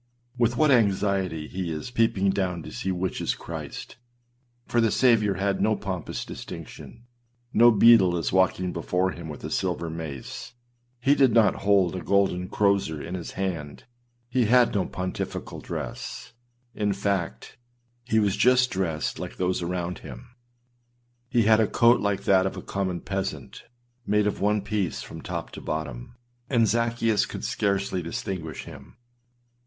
With what anxiety he is peeping down to see which is Christ â for the Saviour had no pompous distinction; no beadle is walking before him with a silver mace; he did not hold a golden crozier in his hand: he had no pontifical dress; in fact, he was just dressed like those around him. He had a coat like that of a common peasant, made of one piece from top to bottom; and Zaccheus could scarcely distinguish him.